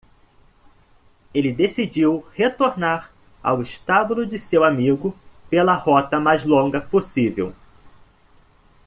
Ele decidiu retornar ao estábulo de seu amigo pela rota mais longa possível.